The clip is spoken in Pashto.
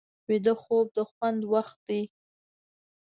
ویده خوب د خوند وخت دی